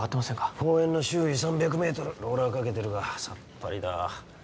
公園の周囲３００メートルローラーかけてるがさっぱりだ